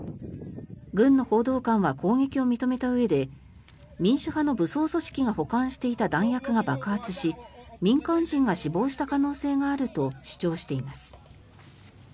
軍の報道官は攻撃を認めたうえで民主派の武装組織が保管していた弾薬が爆発し民間人が死亡した可能性があると主張しています。